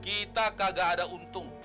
kita kagak ada untung